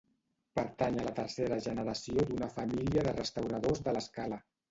Pertany a la tercera generació d’una família de restauradors de l’Escala.